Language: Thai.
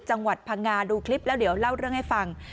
จังหวัดพังงาดูคลิปแล้วเดี๋ยวเล่าเรื่องให้ฟัง